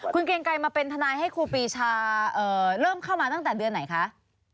คุณเกรียงไกรมาเป็นทนายให้ครูปีชาเริ่มเข้ามาตั้งแต่เดือนไหนคะ